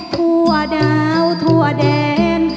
ทั่วดาวทั่วแดน